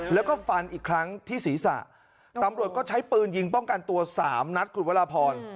แล้วก็ฟันอีกครั้งที่ศีรษะตำรวจก็ใช้ปืนยิงป้องกันตัวสามนัดคุณวรพร